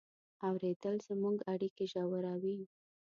اورېدل زموږ اړیکې ژوروي.